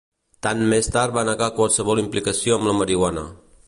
Tant més tard va negar qualsevol implicació amb la marihuana.